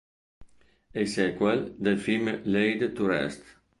È il sequel del film "Laid to Rest".